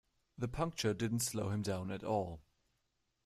The puncture didn't slow him down at all.